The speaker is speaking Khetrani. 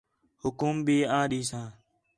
حُکم بھی آں ݙیساں